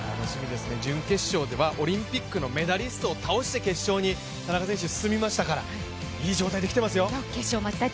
準決勝ではオリンピックのメダリストを倒して決勝に進みましたから、いい状態で来ていますよ。